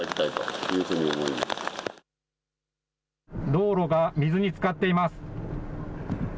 道路が水につかっています。